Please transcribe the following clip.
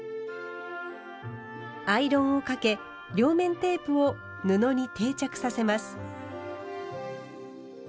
アイロンをかけ両面テープを布に定着させます。